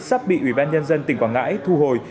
sắp bị ủy ban nhân dân tỉnh quảng ngãi thu hồi